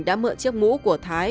đã mượn chiếc mũ của thái